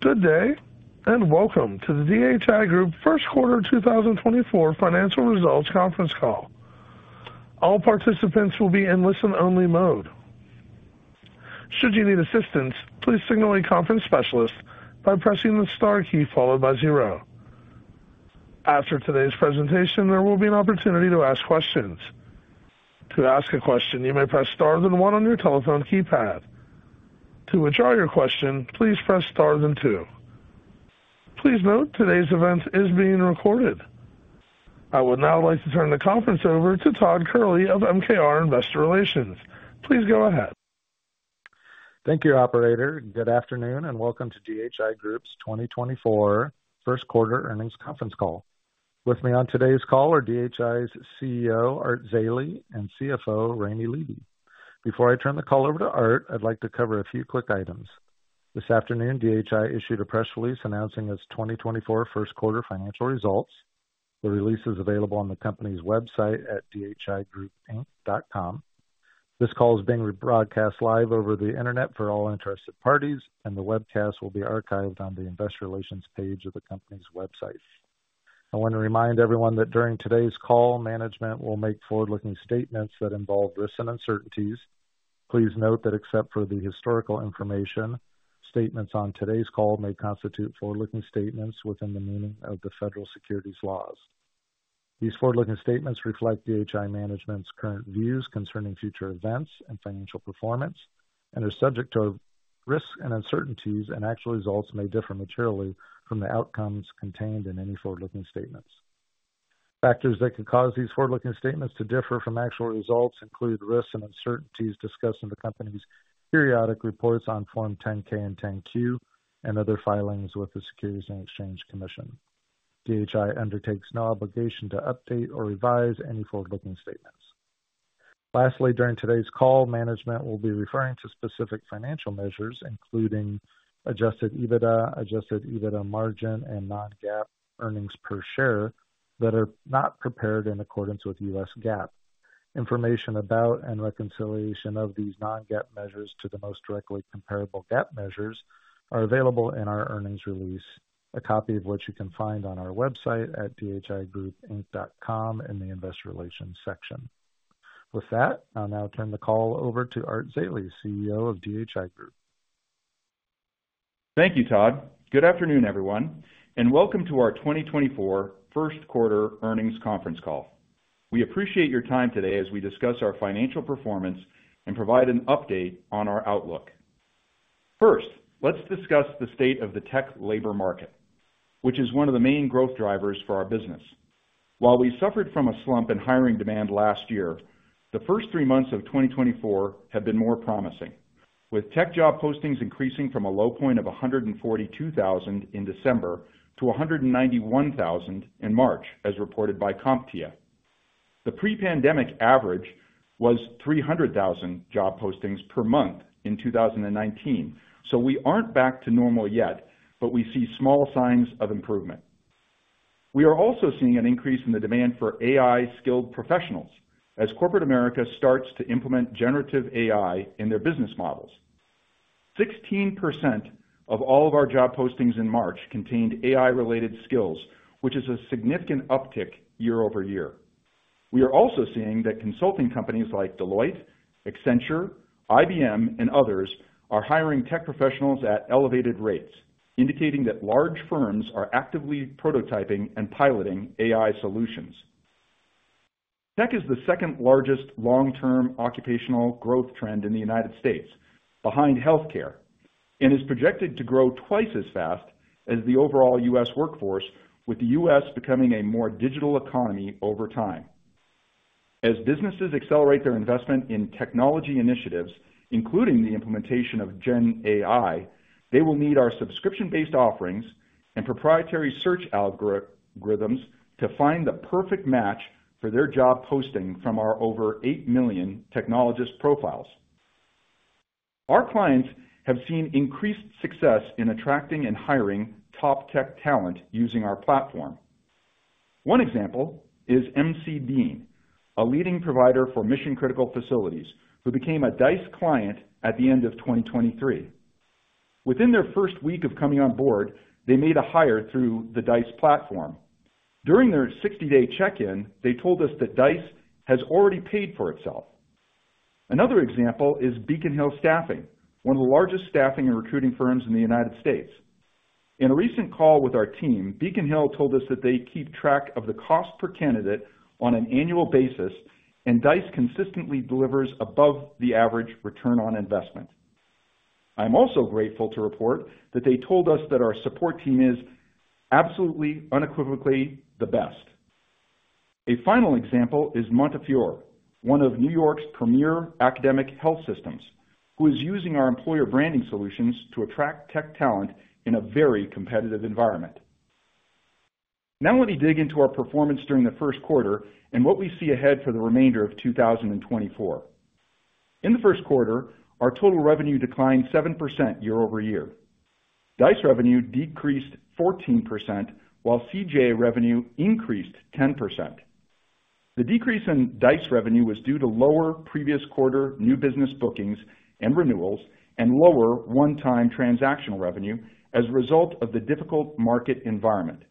Good day, and welcome to the DHI Group first quarter 2024 financial results conference call. All participants will be in listen-only mode. Should you need assistance, please signal a conference specialist by pressing the star key followed by zero. After today's presentation, there will be an opportunity to ask questions. To ask a question, you may press star then one on your telephone keypad. To withdraw your question, please press star then two. Please note, today's event is being recorded. I would now like to turn the conference over to Todd Kehrli of MKR Investor Relations. Please go ahead. Thank you, operator, and good afternoon, and welcome to DHI Group's 2024 first quarter earnings conference call. With me on today's call are DHI's CEO, Art Zeile, and CFO, Raime Leeby. Before I turn the call over to Art, I'd like to cover a few quick items. This afternoon, DHI issued a press release announcing its 2024 first quarter financial results. The release is available on the company's website at dhigroupinc.com. This call is being broadcast live over the Internet for all interested parties, and the webcast will be archived on the investor relations page of the company's website. I want to remind everyone that during today's call, management will make forward-looking statements that involve risks and uncertainties. Please note that except for the historical information, statements on today's call may constitute forward-looking statements within the meaning of the federal securities laws. These forward-looking statements reflect DHI Management's current views concerning future events and financial performance and are subject to risks and uncertainties, and actual results may differ materially from the outcomes contained in any forward-looking statements. Factors that could cause these forward-looking statements to differ from actual results include risks and uncertainties discussed in the company's periodic reports on Form 10-K and 10-Q and other filings with the Securities and Exchange Commission. DHI undertakes no obligation to update or revise any forward-looking statements. Lastly, during today's call, management will be referring to specific financial measures, including adjusted EBITDA, adjusted EBITDA margin, and non-GAAP earnings per share, that are not prepared in accordance with U.S. GAAP. Information about and reconciliation of these non-GAAP measures to the most directly comparable GAAP measures are available in our earnings release, a copy of which you can find on our website at dhigroupinc.com in the Investor Relations section. With that, I'll now turn the call over to Art Zeile, CEO of DHI Group. Thank you, Todd. Good afternoon, everyone, and welcome to our 2024 first quarter earnings conference call. We appreciate your time today as we discuss our financial performance and provide an update on our outlook. First, let's discuss the state of the tech labor market, which is one of the main growth drivers for our business. While we suffered from a slump in hiring demand last year, the first three months of 2024 have been more promising, with tech job postings increasing from a low point of 142,000 in December to 191,000 in March, as reported by CompTIA. The pre-pandemic average was 300,000 job postings per month in 2019. So we aren't back to normal yet, but we see small signs of improvement. We are also seeing an increase in the demand for AI-skilled professionals as corporate America starts to implement generative AI in their business models. 16% of all of our job postings in March contained AI-related skills, which is a significant uptick year-over-year. We are also seeing that consulting companies like Deloitte, Accenture, IBM, and others are hiring tech professionals at elevated rates, indicating that large firms are actively prototyping and piloting AI solutions. Tech is the second-largest long-term occupational growth trend in the United States, behind healthcare, and is projected to grow twice as fast as the overall U.S. workforce, with the U.S. becoming a more digital economy over time. As businesses accelerate their investment in technology initiatives, including the implementation of Gen AI, they will need our subscription-based offerings and proprietary search algorithms to find the perfect match for their job posting from our over 8 million technologist profiles. Our clients have seen increased success in attracting and hiring top tech talent using our platform. One example is M.C. Dean, a leading provider for mission-critical facilities, who became a Dice client at the end of 2023. Within their first week of coming on board, they made a hire through the Dice platform. During their 60-day check-in, they told us that Dice has already paid for itself. Another example is Beacon Hill Staffing Group, one of the largest staffing and recruiting firms in the United States. In a recent call with our team, Beacon Hill told us that they keep track of the cost per candidate on an annual basis, and Dice consistently delivers above the average return on investment. I'm also grateful to report that they told us that our support team is absolutely, unequivocally the best. A final example is Montefiore, one of New York's premier academic health systems, who is using our employer branding solutions to attract tech talent in a very competitive environment. Now, let me dig into our performance during the first quarter and what we see ahead for the remainder of 2024. In the first quarter, our total revenue declined 7% year-over-year. Dice revenue decreased 14%, while CJ revenue increased 10%. The decrease in Dice revenue was due to lower previous quarter new business bookings and renewals, and lower one-time transactional revenue as a result of the difficult market environment.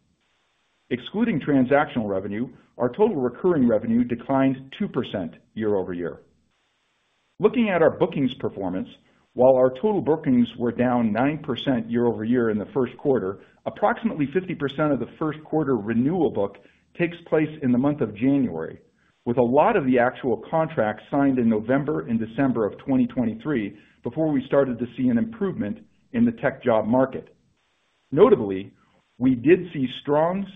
Excluding transactional revenue, our total recurring revenue declined 2% year-over-year. Looking at our bookings performance, while our total bookings were down 9% year-over-year in the first quarter, approximately 50% of the first quarter renewal book takes place in the month of January, with a lot of the actual contracts signed in November and December of 2023, before we started to see an improvement in the tech job market. Notably, we did see strong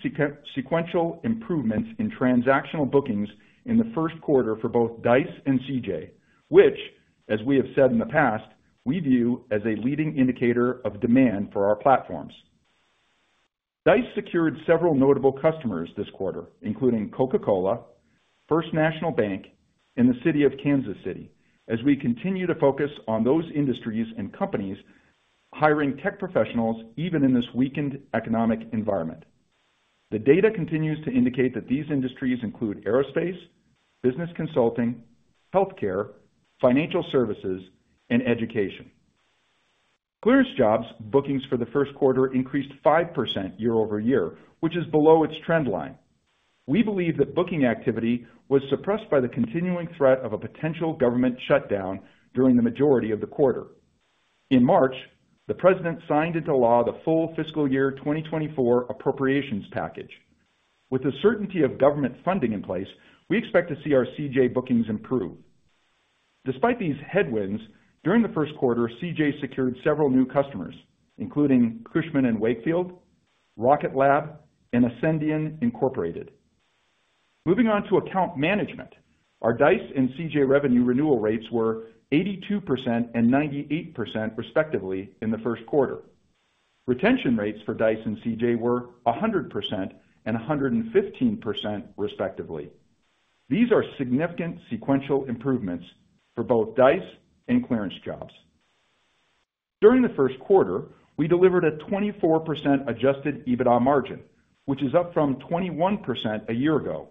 sequential improvements in transactional bookings in the first quarter for both Dice and CJ, which, as we have said in the past, we view as a leading indicator of demand for our platforms. Dice secured several notable customers this quarter, including Coca-Cola, First National Bank, and the City of Kansas City, as we continue to focus on those industries and companies hiring tech professionals, even in this weakened economic environment. The data continues to indicate that these industries include aerospace, business consulting, healthcare, financial services, and education. ClearanceJobs bookings for the first quarter increased 5% year-over-year, which is below its trend line. We believe that booking activity was suppressed by the continuing threat of a potential government shutdown during the majority of the quarter. In March, the president signed into law the full fiscal year 2024 appropriations package. With the certainty of government funding in place, we expect to see our CJ bookings improve. Despite these headwinds, during the first quarter, CJ secured several new customers, including Cushman & Wakefield, Rocket Lab, and Ascendium Education Group. Moving on to account management. Our Dice and CJ revenue renewal rates were 82% and 98%, respectively, in the first quarter. Retention rates for Dice and CJ were 100% and 115%, respectively. These are significant sequential improvements for both Dice and ClearanceJobs. During the first quarter, we delivered a 24% adjusted EBITDA margin, which is up from 21% a year ago.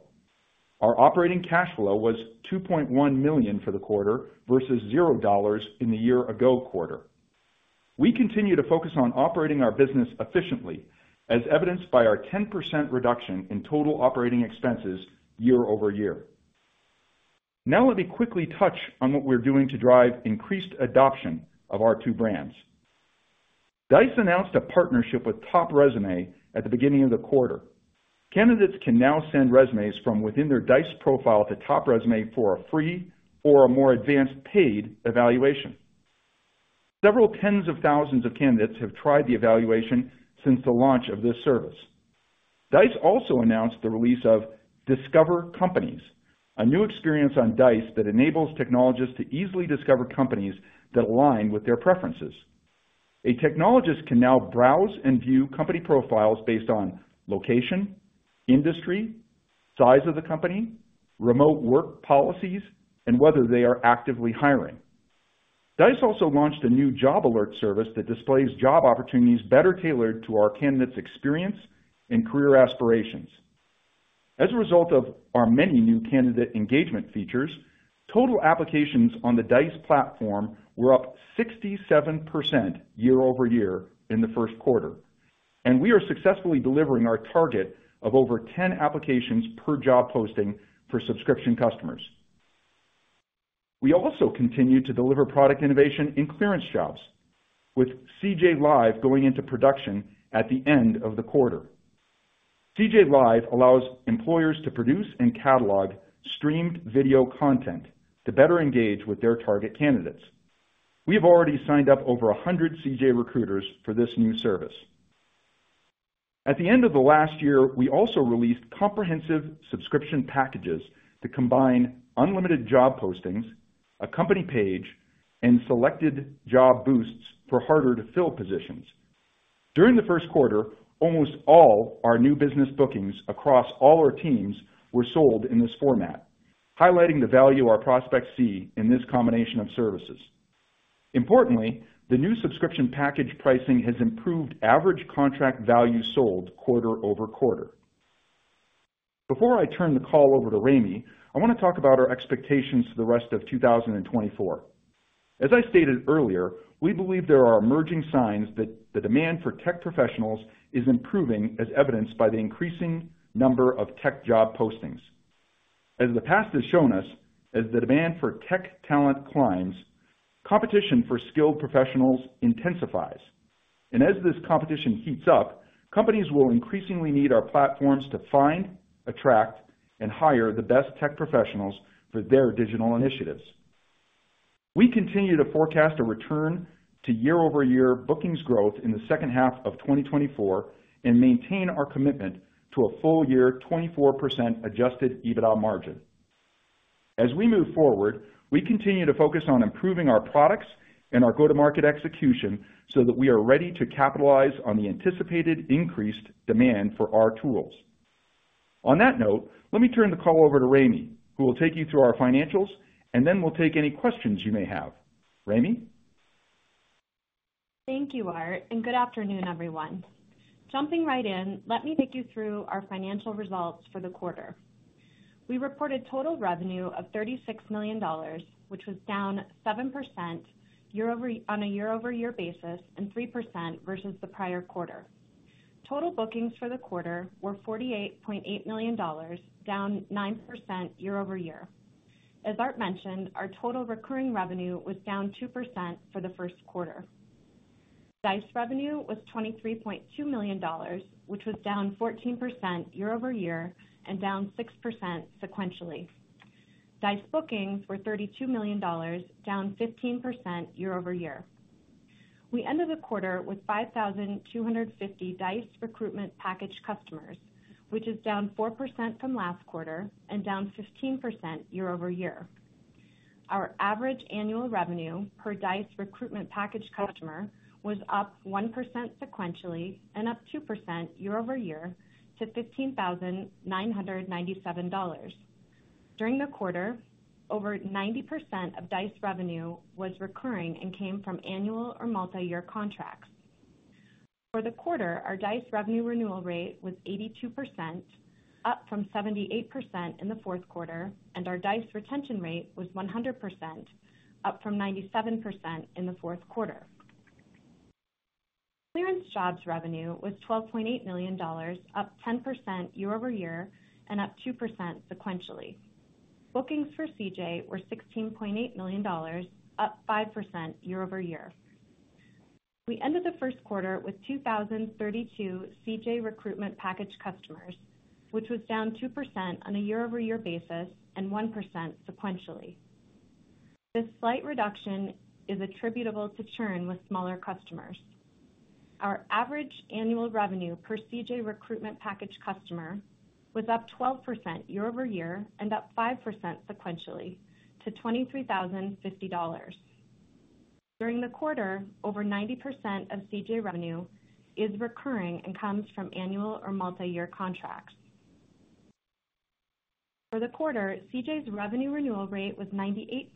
Our operating cash flow was $2.1 million for the quarter versus $0 in the year-ago quarter. We continue to focus on operating our business efficiently, as evidenced by our 10% reduction in total operating expenses year-over-year. Now, let me quickly touch on what we're doing to drive increased adoption of our two brands. Dice announced a partnership with TopResume at the beginning of the quarter. Candidates can now send resumes from within their Dice profile to TopResume for a free or a more advanced paid evaluation. Several tens of thousands of candidates have tried the evaluation since the launch of this service. Dice also announced the release of Discover Companies, a new experience on Dice that enables technologists to easily discover companies that align with their preferences. A technologist can now browse and view company profiles based on location, industry, size of the company, remote work policies, and whether they are actively hiring. Dice also launched a new job alert service that displays job opportunities better tailored to our candidates' experience and career aspirations. As a result of our many new candidate engagement features, total applications on the Dice platform were up 67% year-over-year in the first quarter, and we are successfully delivering our target of over 10 applications per job posting for subscription customers. We also continued to deliver product innovation in ClearanceJobs, with CJ Live going into production at the end of the quarter. CJ Live allows employers to produce and catalog streamed video content to better engage with their target candidates. We have already signed up over 100 CJ recruiters for this new service. At the end of the last year, we also released comprehensive subscription packages to combine unlimited job postings, a company page, and selected job boosts for harder to fill positions. During the first quarter, almost all our new business bookings across all our teams were sold in this format, highlighting the value our prospects see in this combination of services. Importantly, the new subscription package pricing has improved average contract value sold quarter over quarter. Before I turn the call over to Raime, I want to talk about our expectations for the rest of 2024. As I stated earlier, we believe there are emerging signs that the demand for tech professionals is improving, as evidenced by the increasing number of tech job postings. As the past has shown us, as the demand for tech talent climbs, competition for skilled professionals intensifies. And as this competition heats up, companies will increasingly need our platforms to find, attract, and hire the best tech professionals for their digital initiatives. We continue to forecast a return to year-over-year bookings growth in the second half of 2024, and maintain our commitment to a full year 24% adjusted EBITDA margin. As we move forward, we continue to focus on improving our products and our go-to-market execution so that we are ready to capitalize on the anticipated increased demand for our tools. On that note, let me turn the call over to Raime, who will take you through our financials, and then we'll take any questions you may have. Raime?... Thank you, Art, and good afternoon, everyone. Jumping right in, let me take you through our financial results for the quarter. We reported total revenue of $36 million, which was down 7% year-over-year and 3% versus the prior quarter. Total bookings for the quarter were $48.8 million, down 9% year-over-year. As Art mentioned, our total recurring revenue was down 2% for the first quarter. Dice revenue was $23.2 million, which was down 14% year-over-year and down 6% sequentially. Dice bookings were $32 million, down 15% year-over-year. We ended the quarter with 5,250 Dice Recruitment Package customers, which is down 4% from last quarter and down 15% year-over-year. Our average annual revenue per Dice Recruitment Package customer was up 1% sequentially and up 2% year-over-year to $15,997. During the quarter, over 90% of Dice revenue was recurring and came from annual or multi-year contracts. For the quarter, our Dice revenue renewal rate was 82%, up from 78% in the fourth quarter, and our Dice retention rate was 100%, up from 97% in the fourth quarter. ClearanceJobs revenue was $12.8 million, up 10% year-over-year and up 2% sequentially. Bookings for CJ were $16.8 million, up 5% year-over-year. We ended the first quarter with 2,032 CJ Recruitment Package customers, which was down 2% on a year-over-year basis and 1% sequentially. This slight reduction is attributable to churn with smaller customers. Our average annual revenue per CJ Recruitment Package customer was up 12% year-over-year and up 5% sequentially to $23,050. During the quarter, over 90% of CJ revenue is recurring and comes from annual or multi-year contracts. For the quarter, CJ's revenue renewal rate was 98%,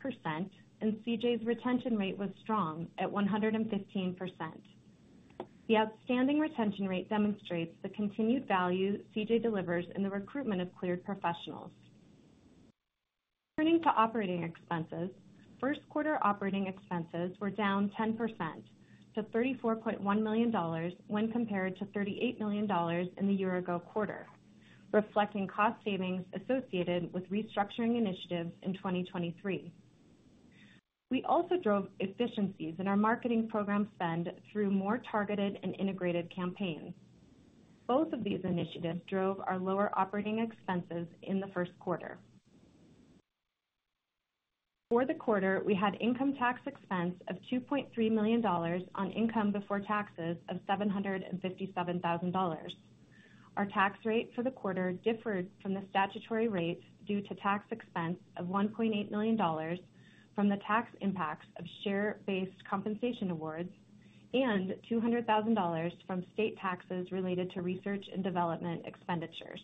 and CJ's retention rate was strong at 115%. The outstanding retention rate demonstrates the continued value CJ delivers in the recruitment of cleared professionals. Turning to operating expenses. First quarter operating expenses were down 10% to $34.1 million when compared to $38 million in the year-ago quarter, reflecting cost savings associated with restructuring initiatives in 2023. We also drove efficiencies in our marketing program spend through more targeted and integrated campaigns. Both of these initiatives drove our lower operating expenses in the first quarter. For the quarter, we had income tax expense of $2.3 million on income before taxes of $757,000. Our tax rate for the quarter differed from the statutory rate due to tax expense of $1.8 million from the tax impacts of share-based compensation awards and $200,000 from state taxes related to research and development expenditures.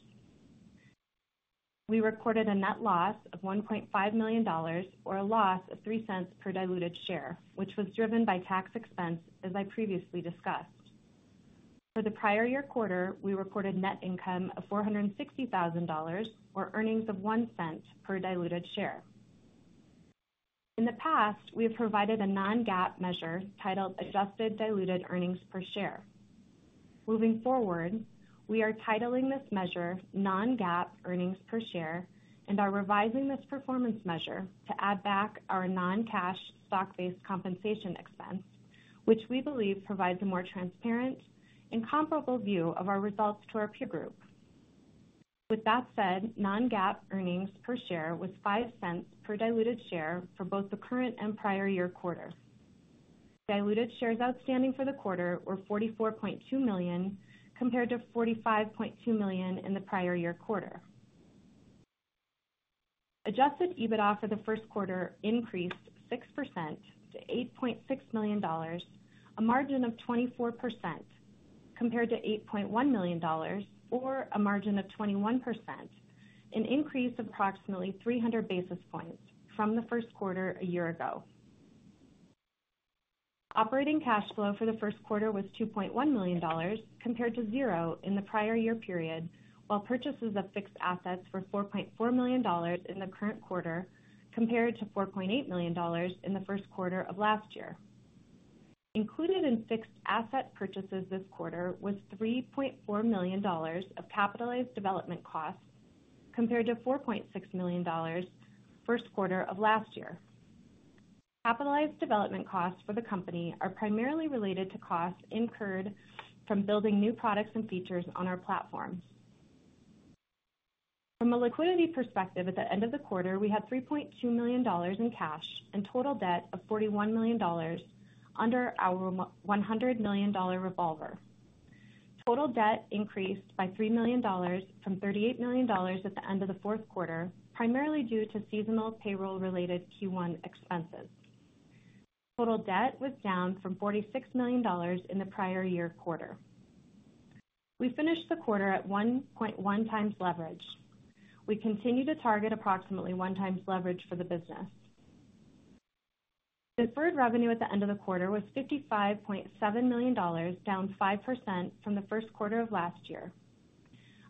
We recorded a net loss of $1.5 million, or a loss of $0.03 per diluted share, which was driven by tax expense, as I previously discussed. For the prior year quarter, we reported net income of $460,000, or earnings of $0.01 per diluted share. In the past, we have provided a non-GAAP measure titled Adjusted Diluted Earnings Per Share. Moving forward, we are titling this measure Non-GAAP Earnings Per Share and are revising this performance measure to add back our non-cash stock-based compensation expense, which we believe provides a more transparent and comparable view of our results to our peer group. With that said, non-GAAP earnings per share was $0.05 per diluted share for both the current and prior year quarter. Diluted shares outstanding for the quarter were 44.2 million, compared to 45.2 million in the prior year quarter. Adjusted EBITDA for the first quarter increased 6% to $8.6 million, a margin of 24%, compared to $8.1 million or a margin of 21%, an increase of approximately 300 basis points from the first quarter a year ago. Operating cash flow for the first quarter was $2.1 million, compared to 0 in the prior year period, while purchases of fixed assets were $4.4 million in the current quarter, compared to $4.8 million in the first quarter of last year. Included in fixed asset purchases this quarter was $3.4 million of capitalized development costs, compared to $4.6 million first quarter of last year. Capitalized development costs for the company are primarily related to costs incurred from building new products and features on our platform. From a liquidity perspective, at the end of the quarter, we had $3.2 million in cash and total debt of $41 million under our $100 million revolver. Total debt increased by $3 million from $38 million at the end of the fourth quarter, primarily due to seasonal payroll-related Q1 expenses. Total debt was down from $46 million in the prior year quarter.... We finished the quarter at 1.1 times leverage. We continue to target approximately 1 times leverage for the business. Deferred revenue at the end of the quarter was $55.7 million, down 5% from the first quarter of last year.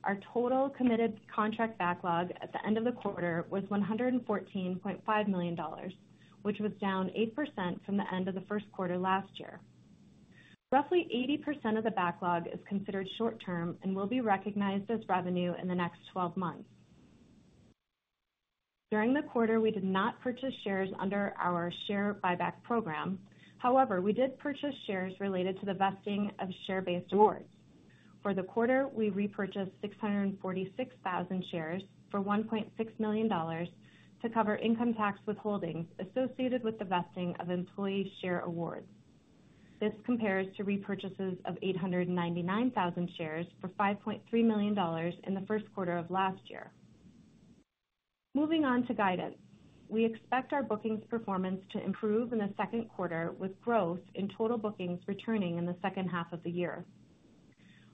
Our total committed contract backlog at the end of the quarter was $114.5 million, which was down 8% from the end of the first quarter last year. Roughly 80% of the backlog is considered short-term and will be recognized as revenue in the next 12 months. During the quarter, we did not purchase shares under our share buyback program. However, we did purchase shares related to the vesting of share-based awards. For the quarter, we repurchased 646,000 shares for $1.6 million to cover income tax withholdings associated with the vesting of employee share awards. This compares to repurchases of 899,000 shares for $5.3 million in the first quarter of last year. Moving on to guidance. We expect our bookings performance to improve in the second quarter, with growth in total bookings returning in the second half of the year.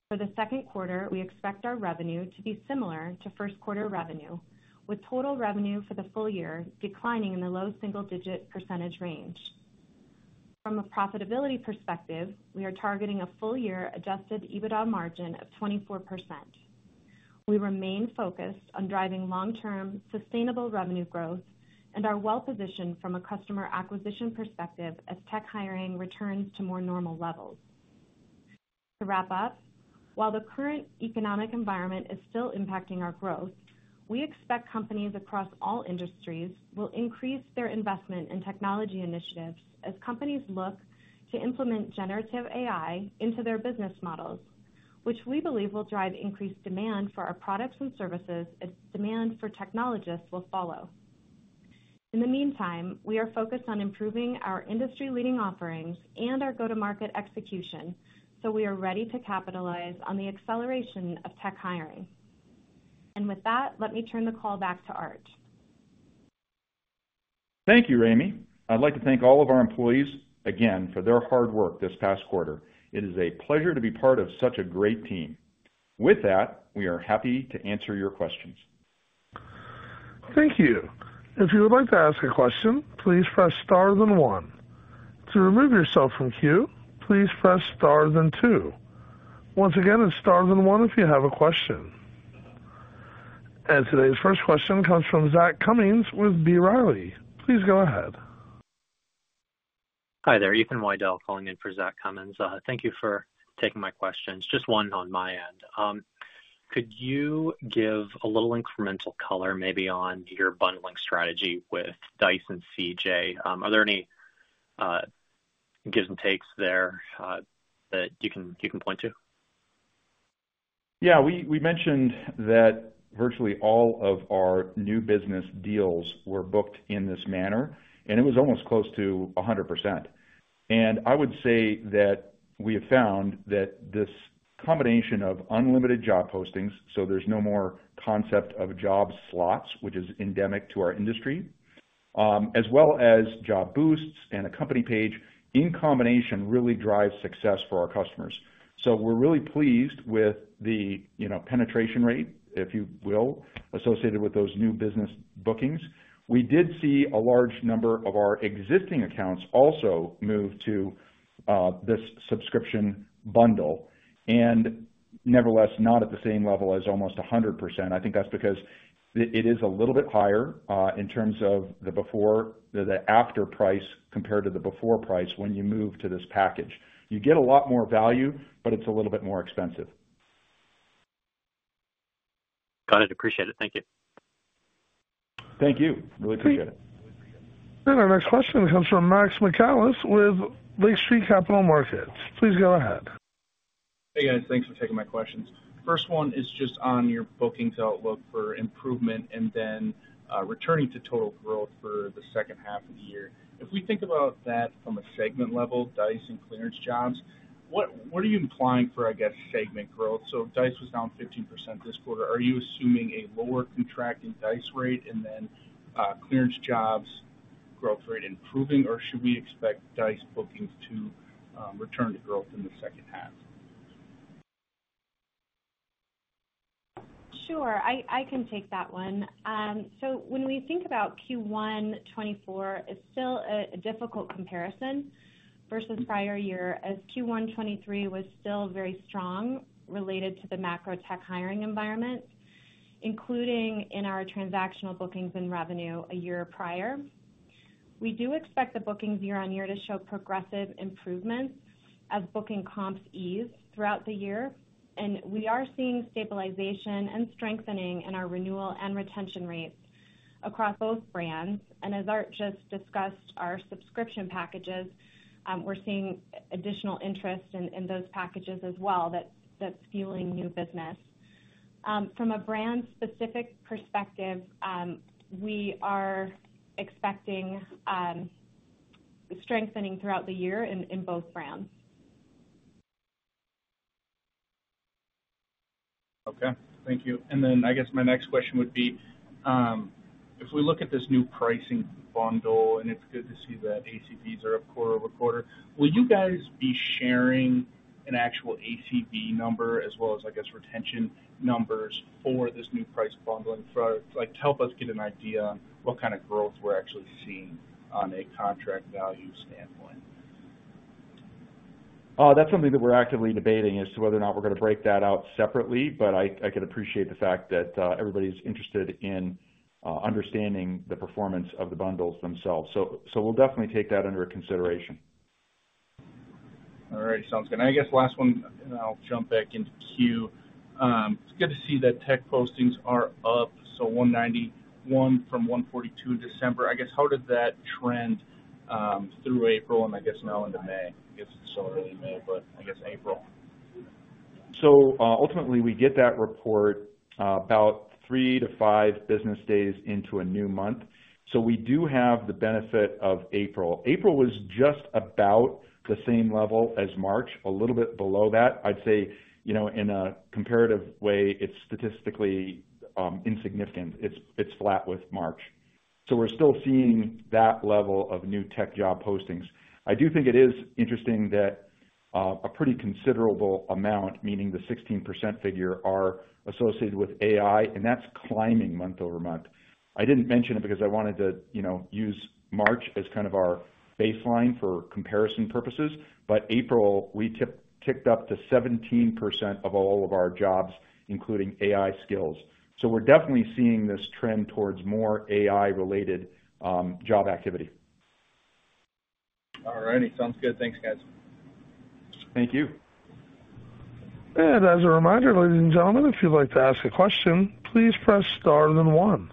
For the second quarter, we expect our revenue to be similar to first quarter revenue, with total revenue for the full year declining in the low single-digit percentage range. From a profitability perspective, we are targeting a full-year Adjusted EBITDA margin of 24%. We remain focused on driving long-term, sustainable revenue growth and are well positioned from a customer acquisition perspective as tech hiring returns to more normal levels. To wrap up, while the current economic environment is still impacting our growth, we expect companies across all industries will increase their investment in technology initiatives as companies look to implement generative AI into their business models, which we believe will drive increased demand for our products and services as demand for technologists will follow. In the meantime, we are focused on improving our industry-leading offerings and our go-to-market execution, so we are ready to capitalize on the acceleration of tech hiring. With that, let me turn the call back to Art. Thank you, Raime. I'd like to thank all of our employees again for their hard work this past quarter. It is a pleasure to be part of such a great team. With that, we are happy to answer your questions. Thank you. If you would like to ask a question, please press Star then one. To remove yourself from queue, please press Star then two. Once again, it's Star then one if you have a question. And today's first question comes from Zach Cummins with B. Riley. Please go ahead. Hi there, Ethan Widell, calling in for Zach Cummins. Thank you for taking my questions. Just one on my end. Could you give a little incremental color maybe on your bundling strategy with Dice and CJ? Are there any, gives and takes there, that you can, you can point to? Yeah, we, we mentioned that virtually all of our new business deals were booked in this manner, and it was almost close to 100%. And I would say that we have found that this combination of unlimited job postings, so there's no more concept of job slots, which is endemic to our industry, as well as job boosts and a company page in combination, really drives success for our customers. So we're really pleased with the, you know, penetration rate, if you will, associated with those new business bookings. We did see a large number of our existing accounts also move to this subscription bundle, and nevertheless, not at the same level as almost 100%. I think that's because it is a little bit higher in terms of the before the after price compared to the before price when you move to this package. You get a lot more value, but it's a little bit more expensive. Got it. Appreciate it. Thank you. Thank you. Really appreciate it. Our next question comes from Maxwell Michaelis with Lake Street Capital Markets. Please go ahead. Hey, guys. Thanks for taking my questions. First one is just on your bookings outlook for improvement and then returning to total growth for the second half of the year. If we think about that from a segment level, Dice and ClearanceJobs, what, what are you implying for, I guess, segment growth? So Dice was down 15% this quarter. Are you assuming a lower contracting Dice rate and then ClearanceJobs growth rate improving, or should we expect Dice bookings to return to growth in the second half? Sure, I can take that one. So when we think about Q1 2024, it's still a difficult comparison versus prior year, as Q1 2023 was still very strong related to the macro tech hiring environment, including in our transactional bookings and revenue a year prior. We do expect the bookings year-on-year to show progressive improvements as booking comps ease throughout the year, and we are seeing stabilization and strengthening in our renewal and retention rates across both brands. And as Art just discussed, our subscription packages, we're seeing additional interest in those packages as well that's fueling new business. From a brand-specific perspective, we are expecting strengthening throughout the year in both brands.... Okay, thank you. Then I guess my next question would be, if we look at this new pricing bundle, and it's good to see that ACVs are up quarter-over-quarter, will you guys be sharing an actual ACV number as well as, I guess, retention numbers for this new price bundle and for—like, to help us get an idea on what kind of growth we're actually seeing on a contract value standpoint? That's something that we're actively debating as to whether or not we're going to break that out separately, but I can appreciate the fact that everybody's interested in understanding the performance of the bundles themselves. So, we'll definitely take that under consideration. All right, sounds good. And I guess last one, and I'll jump back into queue. It's good to see that tech postings are up, so 191 from 142 in December. I guess, how did that trend through April and I guess now into May? I guess it's still early May, but I guess April. Ultimately, we get that report about 3-5 business days into a new month. So we do have the benefit of April. April was just about the same level as March, a little bit below that. I'd say, you know, in a comparative way, it's statistically insignificant. It's flat with March. So we're still seeing that level of new tech job postings. I do think it is interesting that a pretty considerable amount, meaning the 16% figure, are associated with AI, and that's climbing month-over-month. I didn't mention it because I wanted to, you know, use March as kind of our baseline for comparison purposes, but April, we ticked up to 17% of all of our jobs, including AI skills. So we're definitely seeing this trend towards more AI-related job activity. All righty. Sounds good. Thanks, guys. Thank you. As a reminder, ladies and gentlemen, if you'd like to ask a question, please press star then one.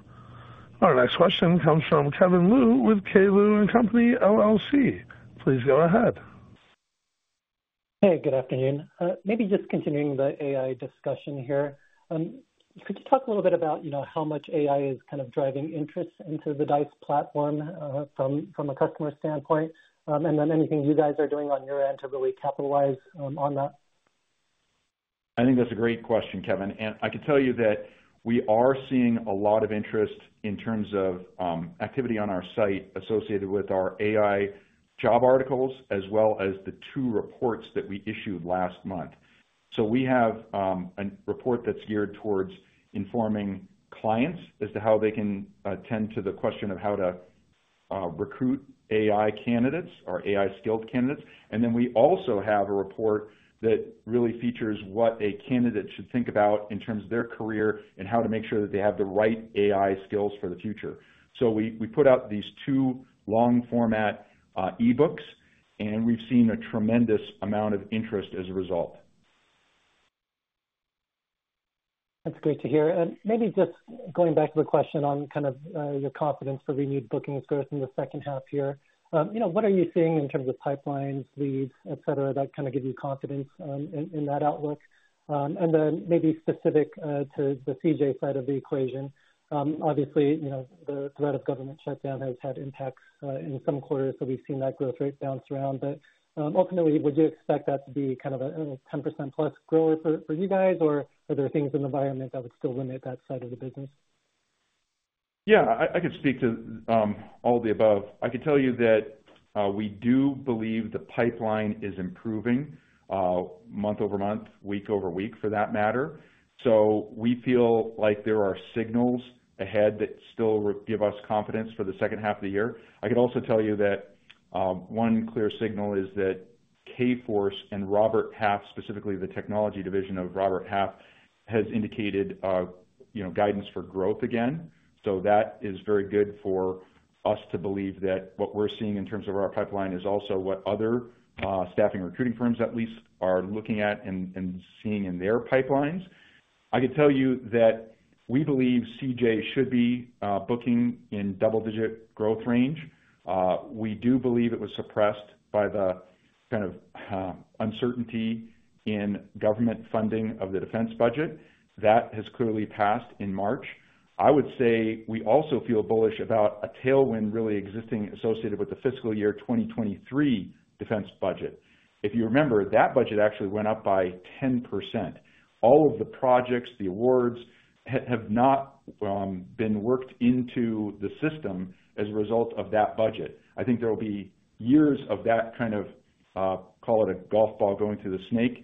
Our next question comes from Kevin Liu with K. Liu & Company, LLC. Please go ahead. Hey, good afternoon. Maybe just continuing the AI discussion here. Could you talk a little bit about, you know, how much AI is kind of driving interest into the Dice platform, from, from a customer standpoint? And then anything you guys are doing on your end to really capitalize on that? I think that's a great question, Kevin, and I can tell you that we are seeing a lot of interest in terms of, activity on our site associated with our AI job articles, as well as the two reports that we issued last month. So we have, a report that's geared towards informing clients as to how they can, tend to the question of how to, recruit AI candidates or AI-skilled candidates. And then we also have a report that really features what a candidate should think about in terms of their career and how to make sure that they have the right AI skills for the future. So we put out these two long-format, e-books, and we've seen a tremendous amount of interest as a result. That's great to hear. Maybe just going back to the question on kind of your confidence for renewed bookings growth in the second half here. You know, what are you seeing in terms of pipelines, leads, et cetera, that kind of give you confidence in that outlook? And then maybe specific to the CJ side of the equation. Obviously, you know, the threat of government shutdown has had impacts in some quarters, so we've seen that growth rate bounce around. But ultimately, would you expect that to be kind of a 10%+ growth for you guys or are there things in the environment that would still limit that side of the business? Yeah, I could speak to all the above. I can tell you that we do believe the pipeline is improving month-over-month, week-over-week, for that matter. So we feel like there are signals ahead that still give us confidence for the second half of the year. I can also tell you that one clear signal is that Kforce and Robert Half, specifically the technology division of Robert Half, has indicated you know, guidance for growth again. So that is very good for us to believe that what we're seeing in terms of our pipeline is also what other staffing recruiting firms at least are looking at and seeing in their pipelines. I can tell you that we believe CJ should be booking in double-digit growth range. We do believe it was suppressed by the kind of uncertainty in government funding of the defense budget. That has clearly passed in March. I would say we also feel bullish about a tailwind really existing associated with the fiscal year 2023 defense budget. If you remember, that budget actually went up by 10%. All of the projects, the awards, have not been worked into the system as a result of that budget. I think there will be years of that kind of call it a golf ball going through the snake,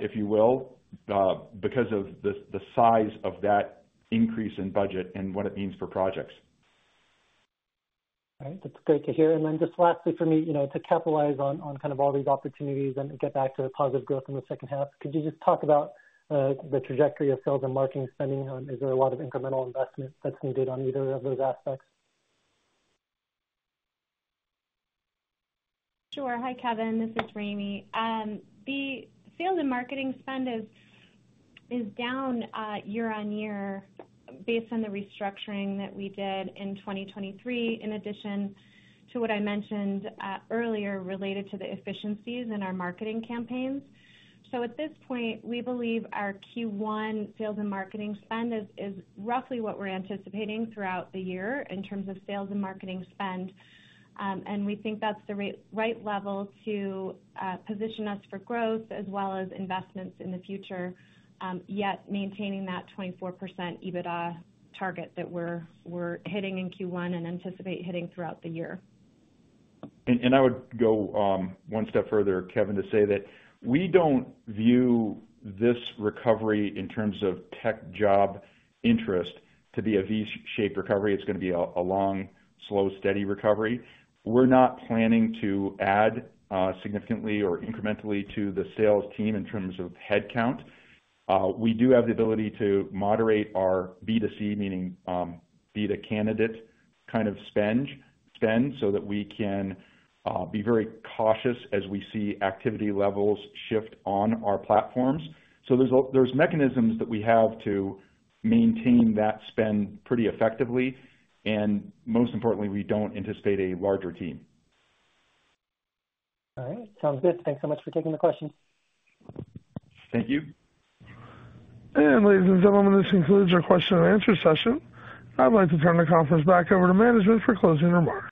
if you will, because of the size of that increase in budget and what it means for projects. All right. That's great to hear. And then just lastly, for me, you know, to capitalize on, on kind of all these opportunities and get back to the positive growth in the second half, could you just talk about the trajectory of sales and marketing spending? Is there a lot of incremental investment that's needed on either of those aspects? Sure. Hi, Kevin, this is Raime. The sales and marketing spend is down year-over-year based on the restructuring that we did in 2023, in addition to what I mentioned earlier, related to the efficiencies in our marketing campaigns. So at this point, we believe our Q1 sales and marketing spend is roughly what we're anticipating throughout the year in terms of sales and marketing spend. And we think that's the right level to position us for growth as well as investments in the future, yet maintaining that 24% EBITDA target that we're hitting in Q1 and anticipate hitting throughout the year. I would go one step further, Kevin, to say that we don't view this recovery in terms of tech job interest to be a V-shaped recovery. It's going to be a long, slow, steady recovery. We're not planning to add significantly or incrementally to the sales team in terms of headcount. We do have the ability to moderate our B2C, meaning B, the candidate kind of spend, so that we can be very cautious as we see activity levels shift on our platforms. So there's mechanisms that we have to maintain that spend pretty effectively, and most importantly, we don't anticipate a larger team. All right. Sounds good. Thanks so much for taking the question. Thank you. Ladies and gentlemen, this concludes our question and answer session. I'd like to turn the conference back over to management for closing remarks.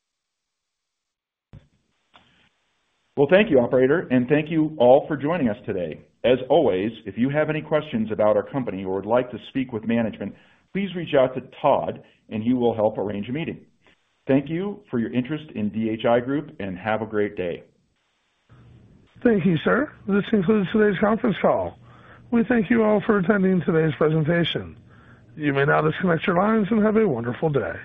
Well, thank you, operator, and thank you all for joining us today. As always, if you have any questions about our company or would like to speak with management, please reach out to Todd and he will help arrange a meeting. Thank you for your interest in DHI Group, and have a great day. Thank you, sir. This concludes today's conference call. We thank you all for attending today's presentation. You may now disconnect your lines and have a wonderful day.